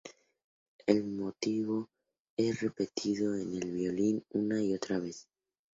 El motivo es repetido en el violín una y otra vez.